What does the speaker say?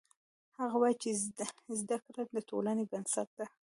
هغه وایي چې زده کړه د ټولنې بنسټ ده